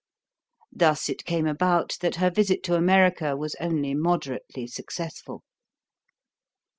Thus it came about that her visit to America was only moderately successful.